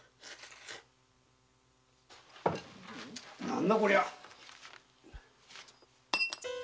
何だこりゃ？